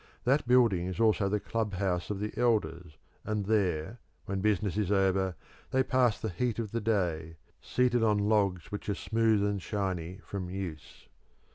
That building is also the club house of the elders, and there, when business is over, they pass the heat of the day, seated on logs which are smooth and shiny from use.